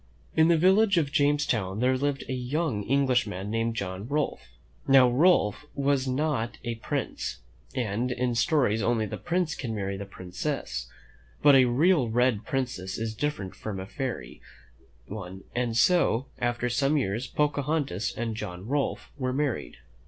In the village of Jamestown there lived a young Englishman named John Rolfe. Now Rolfe was not a prince, and in stories only the prince can marry the princess; but a real red princess is different from a fairy one, and so, after some years, Pocahontas and John Rolfe were married.